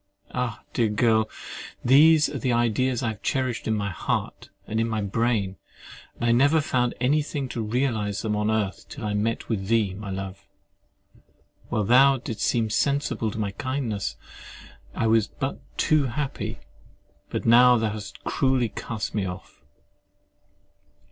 Ah! dear girl, these are the ideas I have cherished in my heart, and in my brain; and I never found any thing to realise them on earth till I met with thee, my love! While thou didst seem sensible of my kindness, I was but too happy: but now thou hast cruelly cast me off.